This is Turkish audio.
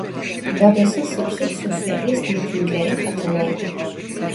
Babası sık sık sosyalist mitinglere katılırdı.